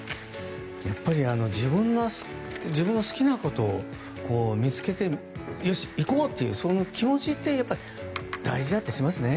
やっぱり自分の好きなことを見つけてよし、行こうという気持ちって大事だったりしますね。